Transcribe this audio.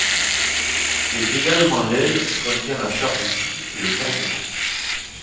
C'est également l'aile qui contient la charge utile et le carburant.